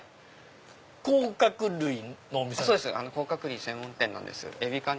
甲殻類専門店なんです。